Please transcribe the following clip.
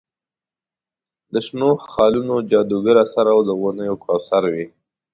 د شنو خالونو جادوګر اثر او د ونیو کوثر وي.